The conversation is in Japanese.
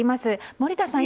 森田さん